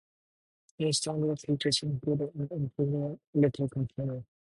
New standard features included an integral litter container.